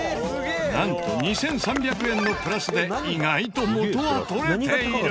なんと２３００円のプラスで意外と元は取れている。